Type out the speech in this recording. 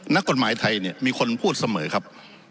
นักกฎหมายไทยเนี่ยมีคนพูดเสมอครับ